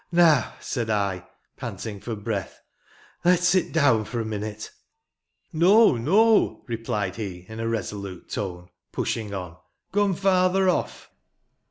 " Now," said I, panting for breath, " let's sit down a minute." " No, no I" replied he in a resolute tone, pushing on; "come farther off."